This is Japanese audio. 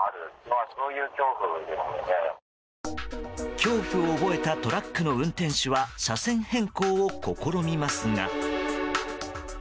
恐怖を覚えたトラックの運転手は車線変更を試みますが。